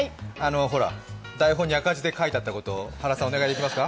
台本に赤字で書いてあったこと原さん、お願いできますか？